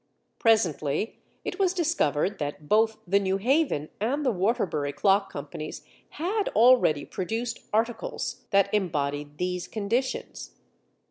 Presently it was discovered that both the New Haven and the Waterbury Clock Companies had already produced articles that embodied these conditions.